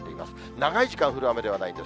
長い時間降る雨ではないです。